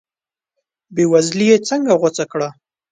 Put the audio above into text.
بې وزلي یې څنګه غوڅه کړه.